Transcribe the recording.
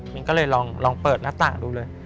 มันก็เลยลองเปิดหน้าต่างดูเลย